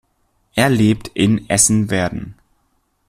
Er lebt in Essen-Werden.